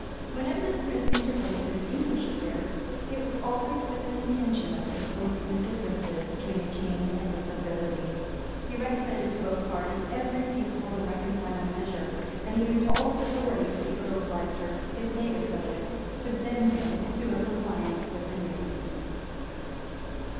Whenever this prince interposed in English affairs, it was always with an intention of composing the differences between the king and his nobility: he recommended to both parties every peaceable and reconciling measure; and he used all his authority with the earl of Leicester, his native subject, to bend him to a compliance with Henry.